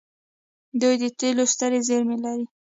دوی د تیلو سترې زیرمې لري.